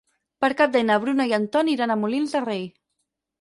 Per Cap d'Any na Bruna i en Ton iran a Molins de Rei.